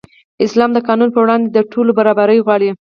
اسلام د قانون پر وړاندې د ټولو برابري غواړي.